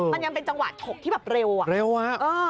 มันยังเป็นจังหวะถกที่แบบเร็วอ่ะเร็วอ่ะเออ